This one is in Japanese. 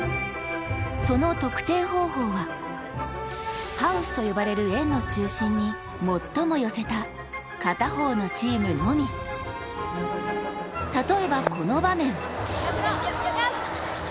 その得点方法は、ハウスと呼ばれる円の中心に最も寄せた片方のチームのみ例えば、この場面。